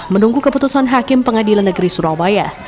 menunggu keputusan hakim pengadilan negeri surabaya